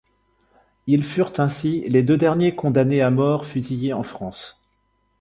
Ils furent ainsi les deux derniers condamnés à mort fusillés en France.